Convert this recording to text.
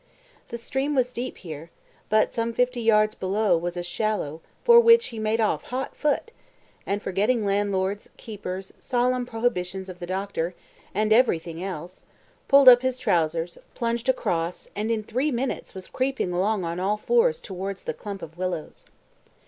The stream was deep here, but some fifty yards below was a shallow, for which he made off hot foot; and forgetting landlords, keepers, solemn prohibitions of the Doctor, and everything else, pulled up his trousers, plunged across, and in three minutes was creeping along on all fours towards the clump of willows.